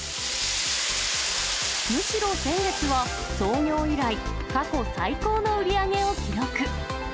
むしろ先月は、創業以来、過去最高の売り上げを記録。